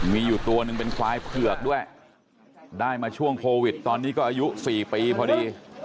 มีอยู่ตัวหนึ่งเป็นควายเผือกด้วยได้มาช่วงโควิดตอนนี้ก็อายุ๔ปีพอดี